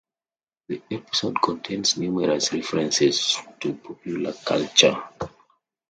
The episode contains numerous references to popular culture.